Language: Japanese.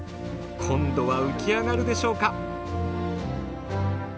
今度は浮き上がるでしょうか？